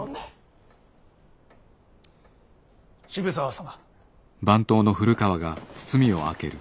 渋沢様。